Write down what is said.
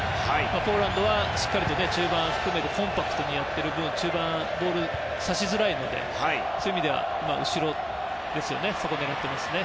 ポーランドはしっかり中盤を含めてコンパクトにやっている分中盤、ボールを差しづらいのでそういう意味では後ろを狙っていますね。